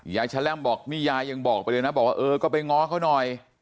แชล่มบอกนี่ยายยังบอกไปเลยนะบอกว่าเออก็ไปง้อเขาหน่อย